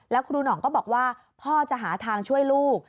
แล้วครูหน่องก็บอกว่าพ่อจะหาทางช่วยลูก